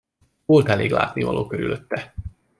Volt elég látnivaló körülötte.